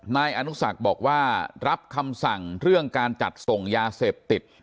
นายอนุสักบอกว่ารับคำสั่งเรื่องการจัดส่งยาเสพติด